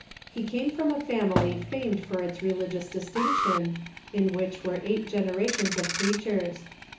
He came from a family famed for its relig ious distinction, in which were eight generations of preachers.